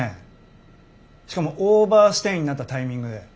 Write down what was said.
しかもオーバーステイになったタイミングで。